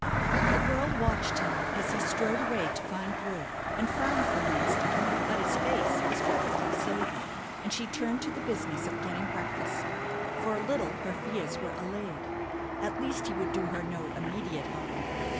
The girl watched him as he strode away to find wood, and frowned for an instant; but his face was perfectly sober, and she turned to the business of getting breakfast. For a little her fears were allayed. At least, he would do her no immediate harm.